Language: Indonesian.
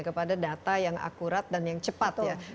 kepada data yang akurat dan yang cepat ya